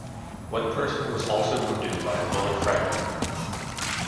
One person was also wounded by a bullet fragment.